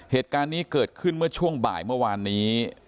เหตุการณ์นี้เกิดขึ้นเมื่อช่วงบ่ายเมื่อวานนี้